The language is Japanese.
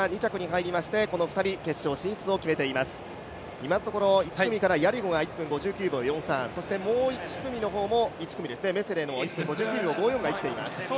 今のところ１組からヤリゴ、そしてもう１組の方もメセレの５９秒５４が生きています。